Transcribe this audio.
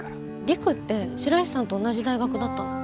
陸って白石さんと同じ大学だったの？